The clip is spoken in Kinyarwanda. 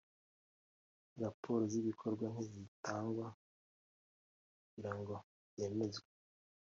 raporo z’ ibikorwa nizitangwe kugira ngo byemezwe